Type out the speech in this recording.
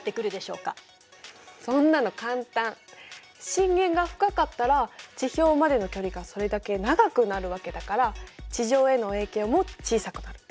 震源が深かったら地表までの距離がそれだけ長くなるわけだから地上への影響も小さくなる。